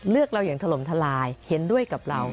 เลือกเราอย่างถล่มทลายเห็นด้วยกับเรา